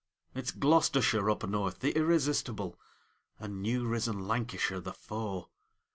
It's Gloucestershire up North, the irrestistable, And new risen Lancashire the foe!